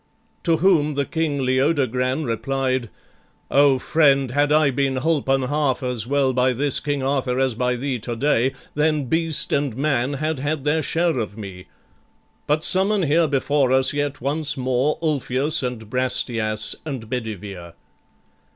To whom the King Leodogran replied, "O friend, had I been holpen half as well By this King Arthur as by thee today, Then beast and man had had their share of me: But summon here before us yet once more Ulfius, and Brastias, and Bedivere."